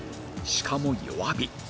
しかも弱火